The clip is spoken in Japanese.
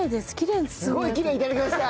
「すごいきれい」頂きました！